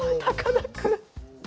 田君。